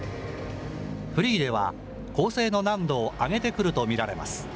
フリーでは、構成の難度を上げてくると見られます。